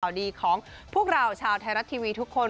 ดีของพวกเราชาวไทยรัฐทีวีทุกคน